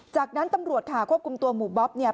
จากนั้นตำรวจค่ะควบคุมตัวหมู่บ๊อบเนี่ย